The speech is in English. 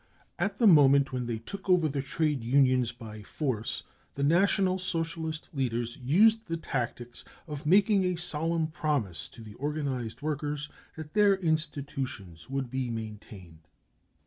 * At the moment when they took over the trade unions by force the National Socialist leaders used the tactics of DESTRUCTION OF WORKERS 5 ORGANISATIONS 151 making a solemn promise to the organised workers that their institutions would be maintained.